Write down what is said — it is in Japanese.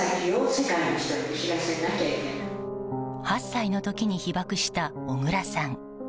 ８歳の時に被爆した小倉さん。